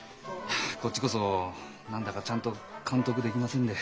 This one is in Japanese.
こっちこそ何だかちゃんと監督できませんで。